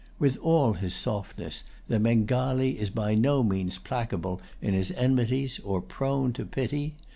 With all his softness, the Bengalee is by no means placable in his enmities or prone to pity.